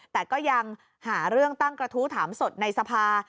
แต่ก็ยังหาเรื่องตั้งกระทู้ถามสดในสภา